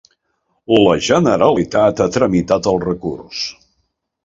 La Generalitat ha tramitat el recurs.